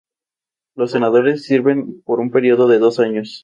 Es conducido por Alfonso de Anda.